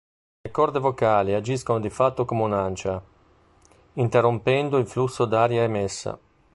Le "corde vocali" agiscono di fatto come un'ancia, interrompendo il flusso d'aria emessa.